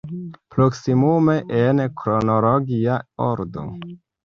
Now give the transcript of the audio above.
Proksimume en kronologia ordo.